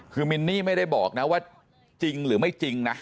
คือมินนี่ไม่ได้บอกนะว่าจริงหรือไม่จริงนะ